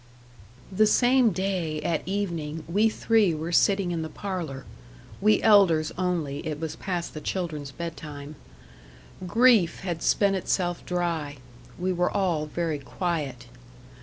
The same day at evening we three were sitting in the parlour; we elders only it was past the children's bed time. Grief had spent itself dry; we were all very quiet.